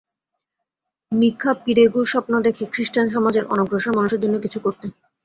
মিখা পিরেগু স্বপ্ন দেখে খ্রিষ্টান সমাজের অনগ্রসর মানুষের জন্য কিছু করতে।